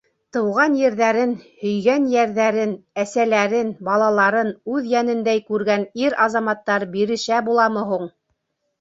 Тыуған ерҙәрен, һөйгән йәрҙәрен, әсәләрен, балаларын үҙ йәнендәй күргән ир-азаматтар бирешә буламы һуң!